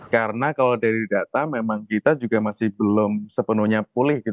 karena kalau dari data memang kita juga masih belum sepenuhnya pulih